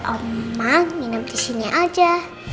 oma nginap disini aja